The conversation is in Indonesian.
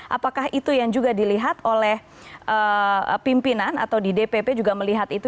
apakah itu yang juga dilihat oleh pimpinan atau di dpp juga melihat itu